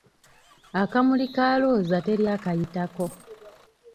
Akamuli ka Looza teri akayitako!